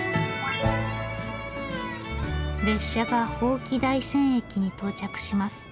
列車が伯耆大山駅に到着します。